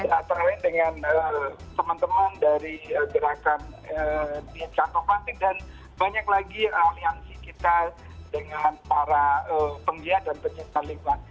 antara lain dengan teman teman dari gerakan di kantong plastik dan banyak lagi aliansi kita dengan para penggiat dan pencipta lingkungan